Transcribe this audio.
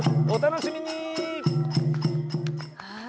お楽しみに！